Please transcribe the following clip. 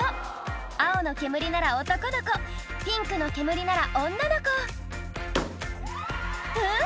青の煙なら男の子ピンクの煙なら女の子うん？